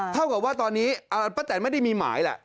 เท่ากับว่าตอนนี้ป้าแตนไม่ได้มีหมายแหละ